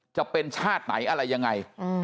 จะเป็นชาติไหนอะไรยังไง